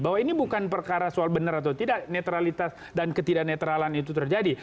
bahwa ini bukan perkara soal benar atau tidak netralitas dan ketidak netralan itu terjadi